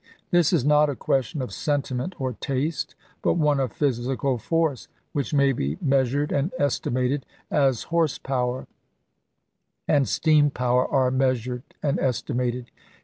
This is not a question of sentiment or taste, but one of physical force, which may be meas ured and estimated as horse power and steam power are measured and estimated.